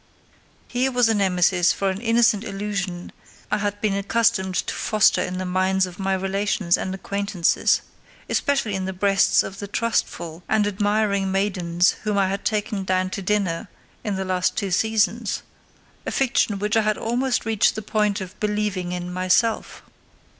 Here was a nemesis for an innocent illusion I had been accustomed to foster in the minds of my relations and acquaintances, especially in the breasts of the trustful and admiring maidens whom I had taken down to dinner in the last two seasons; a fiction which I had almost reached the point of believing in myself.